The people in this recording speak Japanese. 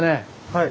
はい。